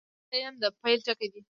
کتابچه د علم د پیل ټکی دی